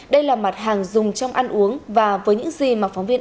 đây là mặt hàng dùng trong ăn uống và với những gì mà phóng viên an